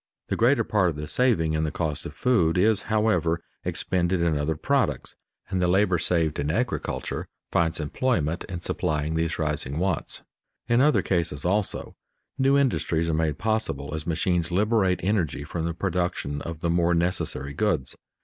The greater part of the saving in the cost of food is, however, expended in other products, and the labor saved in agriculture finds employment in supplying these rising wants. In other cases also, new industries are made possible as machines liberate energy from the production of the more necessary goods.